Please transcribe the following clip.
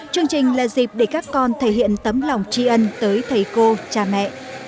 chương trình là dịp để các con thể hiện tấm lòng tri ân tới thầy cô cha mẹ